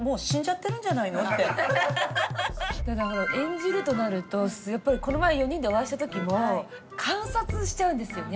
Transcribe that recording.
演じるとなるとやっぱりこの前４人でお会いした時も観察しちゃうんですよね。